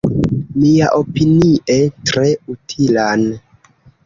Miaopinie tre utilan.